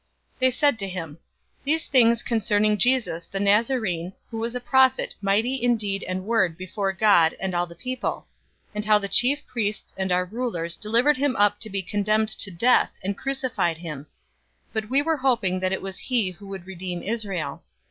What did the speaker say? They said to him, "The things concerning Jesus, the Nazarene, who was a prophet mighty in deed and word before God and all the people; 024:020 and how the chief priests and our rulers delivered him up to be condemned to death, and crucified him. 024:021 But we were hoping that it was he who would redeem Israel.